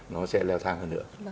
nó sẽ leo thang hơn nữa